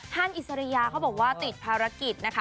อิสริยาเขาบอกว่าติดภารกิจนะคะ